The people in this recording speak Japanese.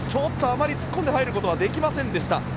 あまり突っ込んではいることはできませんでした。